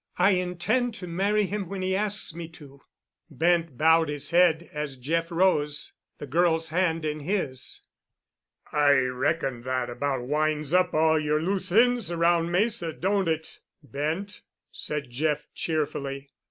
I intend to marry him when he asks me to." Bent bowed his head, as Jeff rose, the girl's hand in his. "I reckon that about winds up all your loose ends around Mesa, don't it, Bent?" said Jeff cheerfully.